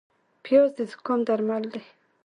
پیاز د زکام درمل دی